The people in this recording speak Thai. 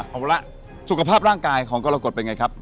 เอาละสุขภาพร่างกายของกรกฎเป็นไงครับ